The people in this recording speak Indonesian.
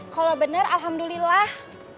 kalau bener alhamdulillah